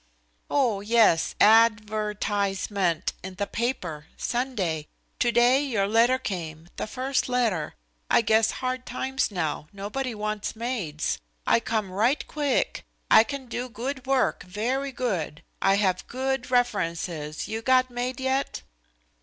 "Oh, yes, ad ver tise ment, in the paper, Sunday. Today your letter came, the first letter. I guess hard times now. Nobody wants maids. I come right queeck. I can do good work, very good. I have good references. You got maid yet?"